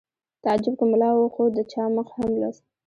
تعجب که ملا و خو د چا مخ هم لوست